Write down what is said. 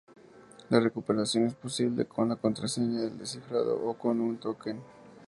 La recuperación es posible con la contraseña de descifrado o con un token.